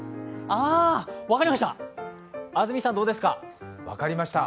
あぁ、分かりました！